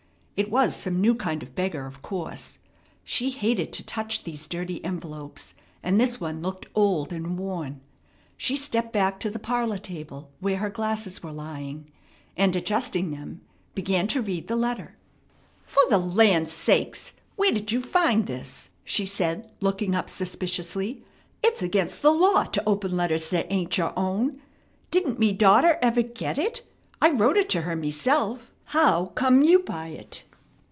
It was some new kind of beggar, of course. She hated to touch these dirty envelopes, and this one looked old and worn. She stepped back to the parlor table where her glasses were lying, and, adjusting them, began to read the letter. "For the land sakes! Where'd you find this?" she said, looking up suspiciously. "It's against the law to open letters that ain't your own. Didn't me daughter ever get it? I wrote it to her meself. How come you by it?"